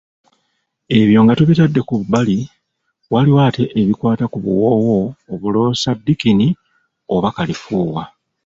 Ebyo nga tubitadde ku bbali, waliwo ate ebikwata ku buwoowo, obuloosa, ddikini oba kalifuuwa.